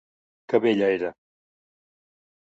Que bella era!